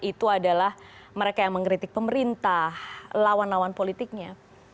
itu adalah mereka yang mengkritik pemerintah lawan lawan politiknya